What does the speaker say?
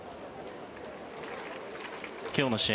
今日の試合